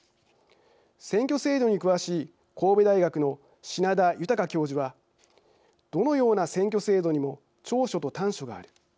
選挙制度に詳しい神戸大学の品田裕教授は「どのような選挙制度にも長所と短所がある。